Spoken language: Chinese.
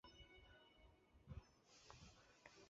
钱学森传记作者张纯如对这一指控予以了驳斥。